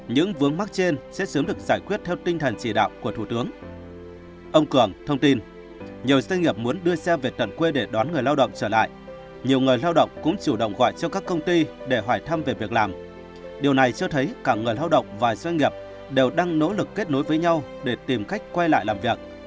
những vướng mắc trên sẽ sớm được giải quyết theo tinh thần chỉ đạo của tp hcm